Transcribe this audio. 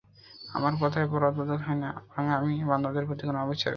আমার কথার রদবদল হয় না এবং আমি আমার বান্দাদের প্রতি কোন অবিচার করি না।